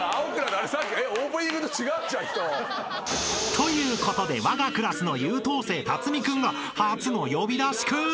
［ということでわがクラスの優等生辰巳君が初の呼び出しクン］